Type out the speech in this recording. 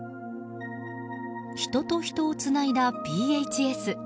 人と人をつないだＰＨＳ。